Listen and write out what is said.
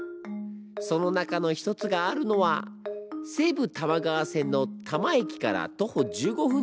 その中の一つがあるのは西武多摩川線の多磨駅から徒歩１５分